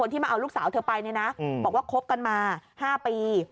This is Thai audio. เธอไปเนี่ยนะบอกว่าคบกันมา๕ปี